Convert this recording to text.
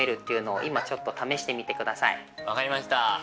分かりました！